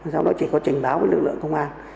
sau đó chỉ có trình báo với lực lượng công an